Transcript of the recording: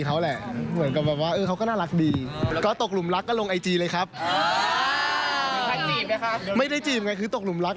เราก็ตรงนั้นก็เตรียมความพร้อมไปแล้วใช่มั้ย